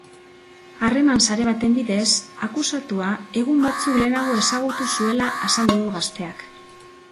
Harreman sare baten bidez akusatua egun batzuk lehenago ezagutu zuela azaldu du gazteak.